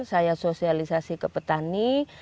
saya sosialisasi ke petani